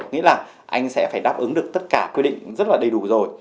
nghĩ là anh sẽ phải đáp ứng được tất cả quy định rất là đầy đủ rồi